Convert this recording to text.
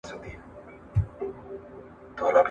خلک کولای سي توپیر زده کړي.